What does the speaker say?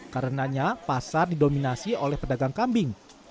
karenanya pasar didominasi oleh pedagang kambing